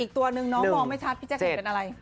อีกตัวนึงน้องมองไม่ชัดพี่แจ๊กเห็นอะไร